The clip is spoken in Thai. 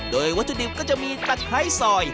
โดยวัตถุดิบก็จะมีตะไคร้ซอย